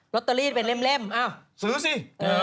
รอตเตอรี่เป็นเล่มเอ้าซื้อสิเออ